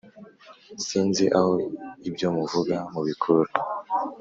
Sinzi aho ibyomuvuga mubikura